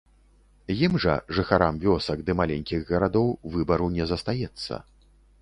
Ім жа, жыхарам вёсак ды маленькіх гарадоў, выбару не застаецца.